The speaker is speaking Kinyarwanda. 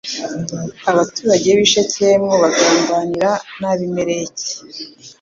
abaturage b i Shekemu bagambanira n Abimeleki